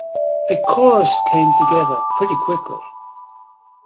A chorus came together pretty quickly.